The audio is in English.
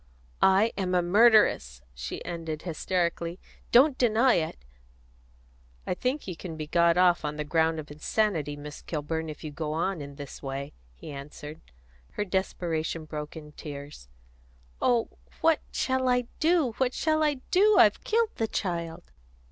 "I am a murderess," she ended hysterically. "Don't deny it!" "I think you can be got off on the ground of insanity, Miss Kilburn, if you go on in this way," he answered. Her desperation broke in tears. "Oh, what shall I do what shall I do? I've killed the child!"